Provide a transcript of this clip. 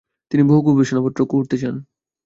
তিনি বহু গবেষণাপত্রও রচনা করেন।